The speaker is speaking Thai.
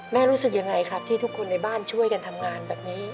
รู้สึกยังไงครับที่ทุกคนในบ้านช่วยกันทำงานแบบนี้